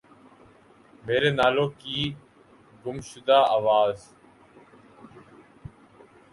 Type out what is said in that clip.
میرے نالوں کی گم شدہ آواز